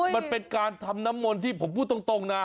มันเป็นการทำน้ำมนต์ที่ผมพูดตรงนะ